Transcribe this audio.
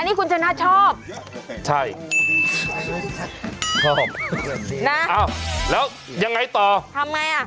นี่คุณชนะชอบใช่ชอบนะอ้าวแล้วยังไงต่อทำไงอ่ะ